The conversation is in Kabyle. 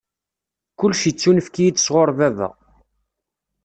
Kullec ittunefk-iyi-d sɣur Baba.